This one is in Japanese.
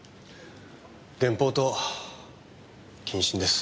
減俸と謹慎です。